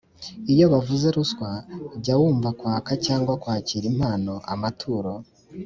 Iyo bavuze ruswa jya wumva kwaka cyangwa kwakira impano, amaturo